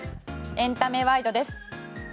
エンタメワイドです。